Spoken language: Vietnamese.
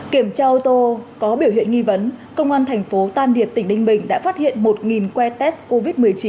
kiểm tra ô tô có biểu hiện nghi vấn công an tp tam hiệp tỉnh đinh bình đã phát hiện một que test covid một mươi chín